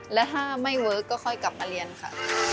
และถ้าไม่เวิร์คก็ค่อยกลับมาเรียนค่ะ